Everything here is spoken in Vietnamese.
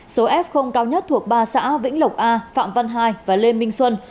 số f cao nhất thuộc ba xã vĩnh lộc a phạm văn hai và lê minh xuân